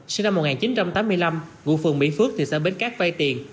sinh năm một nghìn chín trăm tám mươi năm ngụ phường mỹ phước thị xã bến cát vay tiền